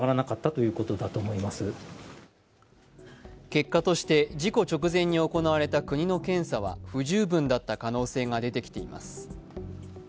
結果として事故直前に行われた国の検査は不十分だった可能性が出てきています。